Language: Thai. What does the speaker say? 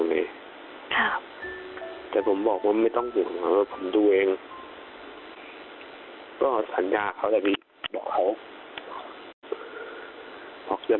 แครอบผมบอกว่ะไม่ต้องเหงื่อผมดูเองก็สัญญาเขาได้บอกเขา